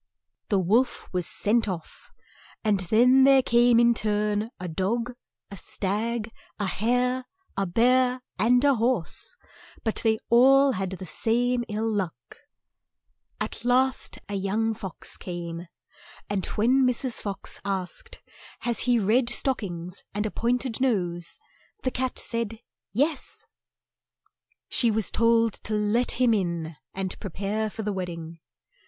The wolf was sent off, and then there came in turn, a dog, a stag, a hare, a bear, and a horse, but they all had the same ill luck. 96 CINDERELLA At last a young fox came, and when Mrs. Fox asked, "Has he red stock ings and a point ed nose?" the cat said, "Yes." She was told to let him in and pre pare for the wed ding.